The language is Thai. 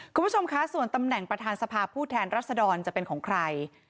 คุณผู้ชมคะส่วนตำแหน่งประธานสภาพผู้แทนรัศดรจะเป็นของใคร